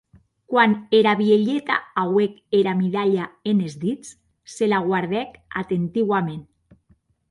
Quan era vielheta auec era midalha enes dits, se la guardèc atentiuament.